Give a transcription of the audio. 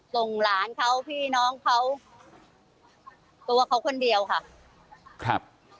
ส่งหลานเขาพี่น้องเขาตัวเขาคนเดียวค่ะครับ